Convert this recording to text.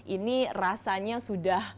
ini rasanya sudah